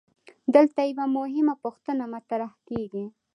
دلته یوه مهمه پوښتنه مطرح کیږي.